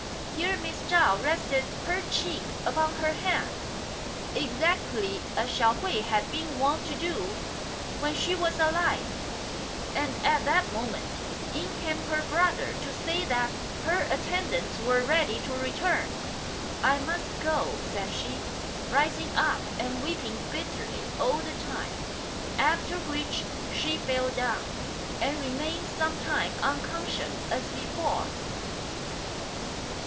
Here Miss Chao rested her cheek upon her hand, exactly as Hsiao hui had been wont to do when she was alive ; and at that moment in came her brother to say that her attendants were ready to return. " I must go," said she, rising up and weeping bitterly all the time ; after which she fell down, and remained some time unconscious as before.